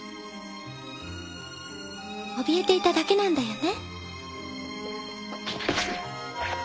おびえていただけなんだよね。